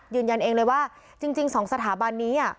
ยืนยันเองเลยว่าจริง๒สถาบันนี้